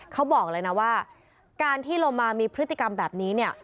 เขาบอกเลยนะว่าการที่เรามามีพฤติกรรมแบบนี้เนี่ย